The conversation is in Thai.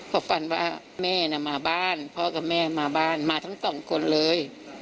เขาฝันว่าแม่น่ะมาบ้านพ่อกับแม่มาบ้านมาทั้งสองคนเลย